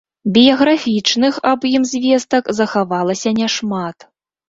Біяграфічных аб ім звестак захавалася няшмат.